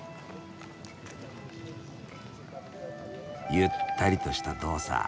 ゆったりとした動作。